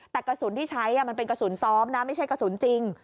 แต่กระสุนที่ใช้มันเป็นกระสุนซ้อมนะไม่ใช่กระสุนจริง